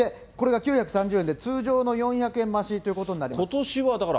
これが９３０円で通常の４００円増しということになります。